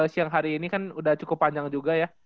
siang hari ini kan sudah cukup panjang juga ya